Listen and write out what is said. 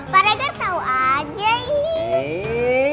pak regar tau aja iiih